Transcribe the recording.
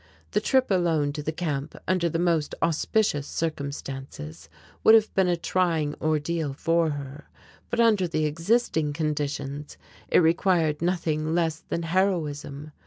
The trip alone to the Camp, under the most auspicious circumstances, would have been a trying ordeal for her, but under the existing conditions it required nothing less than heroism.